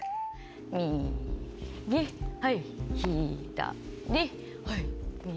右、はい、左、はい、右。